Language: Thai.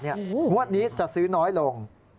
งวดนี้จะซื้อน้อยลง